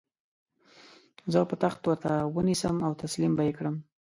زه به تخت ورته ونیسم او تسلیم به یې کړم.